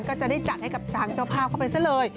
ก็จะได้จัดให้กับช้างเจ้าฟก็ไปซะเลย